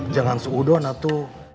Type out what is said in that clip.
jangan seudon atu